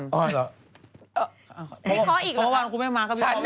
เมื่อวานกูไม่มาก็ไม่เข้าไปดี